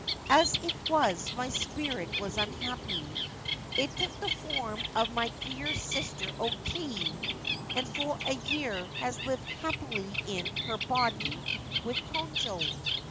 As it was, my spirit was unhappy. It took the form of my dear sister O Kei, and for a year has lived happily in her body with Konojo.